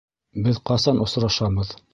Беҙ ҡасан осрашабыҙ?